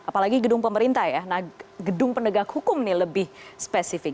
apalagi gedung pemerintah ya gedung penegak hukum nih lebih spesifik